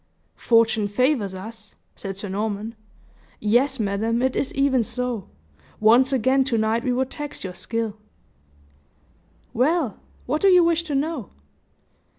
"Fortune favors us," said Sir Norman. "Yes, madam, it is even so; once again to night we would tax your skill." "Well, what do you wish to know?"